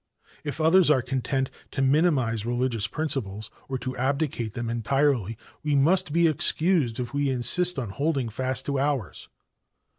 If others are content to minimize religious principles or to abdicate them entirely we must be excused if we insist on holding fast to ours.